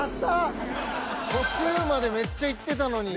途中までめっちゃいってたのに。